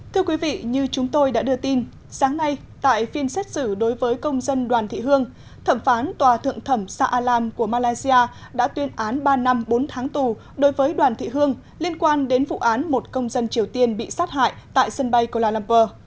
thưa quý vị như chúng tôi đã đưa tin sáng nay tại phiên xét xử đối với công dân đoàn thị hương thẩm phán tòa thượng thẩm sa alam của malaysia đã tuyên án ba năm bốn tháng tù đối với đoàn thị hương liên quan đến vụ án một công dân triều tiên bị sát hại tại sân bay kuala lumpur